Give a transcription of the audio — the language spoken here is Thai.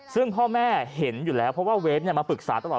ซึ่งพ่อแม่เห็นอยู่แล้วเพราะว่าเวฟมาปรึกษาตลอด